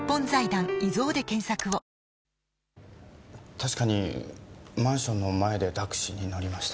確かにマンションの前でタクシーに乗りました。